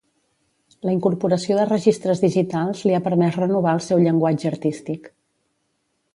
La incorporació de registres digitals li ha permès renovar el seu llenguatge artístic.